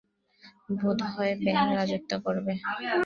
বোধহয় ব্যাঙ রাজত্ব করবে।